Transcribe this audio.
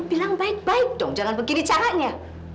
bilang baik baik dong jangan begini caranya